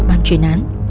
ban truyền án